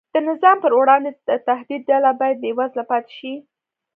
د نظام پر وړاندې د تهدید ډله باید بېوزله پاتې شي.